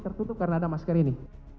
tertutup karena ada masker ini